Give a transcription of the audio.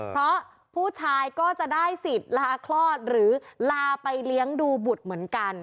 เพราะผู้ชายก็จะได้สิทธิ์ลาคลอดหรือลาไปเลี้ยงดูบุตรเหมือนกัน